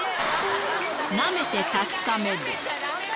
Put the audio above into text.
なめて確かめる。